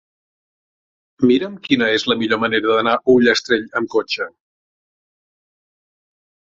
Mira'm quina és la millor manera d'anar a Ullastrell amb cotxe.